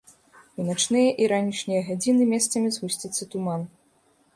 У начныя і ранішнія гадзіны месцамі згусціцца туман.